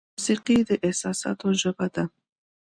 موسیقي د احساساتو ژبه ده.